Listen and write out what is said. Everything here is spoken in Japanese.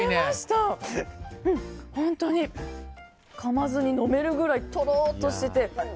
本当にかまずに飲めるぐらいとろっとしてて。